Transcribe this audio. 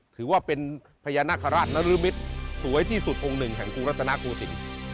ถือว่าเป็นพญานคราชนรมิตสวยที่สุดองค์หนึ่งแห่งครูลัศนากูติ